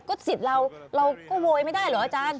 ก็สิทธิ์เราเราก็โวยไม่ได้เหรออาจารย์